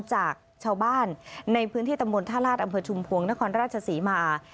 จากชาวบ้านในพื้นที่ตำบลท่าราชอำเภอชุมพวงนครราชศรีมา